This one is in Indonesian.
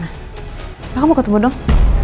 bagaimana kamu ketemu dong